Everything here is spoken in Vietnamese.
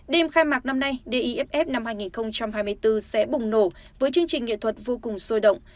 đêm khai mạc năm nay diff năm hai nghìn hai mươi bốn sẽ bùng nổ với chương trình nghệ thuật vô cùng sôi động